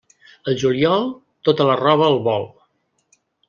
Al juliol, tota la roba al vol.